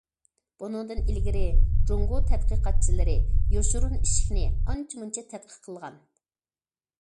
بۇنىڭدىن ئىلگىرى، جۇڭگو تەتقىقاتچىلىرى يوشۇرۇن ئىشىكنى ئانچە- مۇنچە تەتقىق قىلغان.